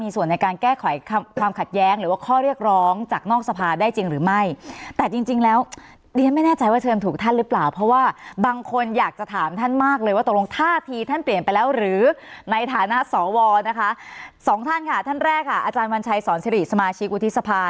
สองท่านค่ะท่านแรกค่ะอาจารย์วันชัยสอนเฉริสสมาชิกอุทิศภาพ